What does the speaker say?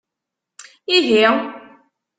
Ihi?